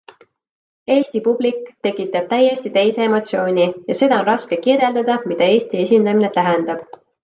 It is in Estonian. Eesti publik tektab täiesti teise emotsiooni ja seda on raske kirjeldada, mida Eesti esindamine tähendab.